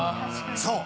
そう。